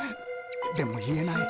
でも言えない。